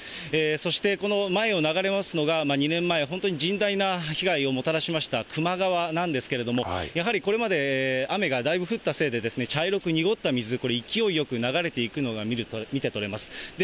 そして、この前を流れますのが、２年前、本当に甚大な被害をもたらしました球磨川なんですけれども、やはりこれまで雨がだいぶ降ったせいで、茶色く濁った水、これ、勢いよく流れていくのが見て取れます。